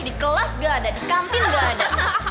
di kelas gak ada di kantin nggak ada